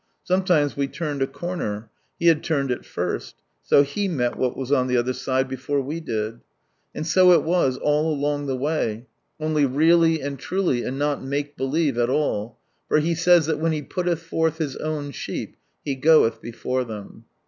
Sometimes we turned a corner— He had turned it first (so He met what was on the other side before we did), and so it was all along the way, only really and truly and not make believe at all, for He says that " when He puttelh forth His own sheep. He goeth before them."